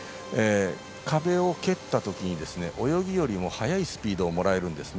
壁を蹴ったときに泳ぎよりも速いスピードをもらえるんですね。